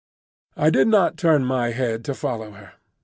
I did not turn my head to follow her.